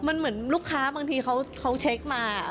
มันเหมือนลูกค้าบางทีเขาเช็คมา